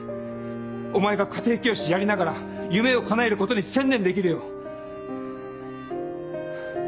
お前が家庭教師やりながら夢をかなえることに専念できるよう。